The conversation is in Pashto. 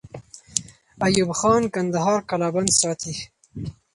ایوب خان کندهار قلابند ساتي.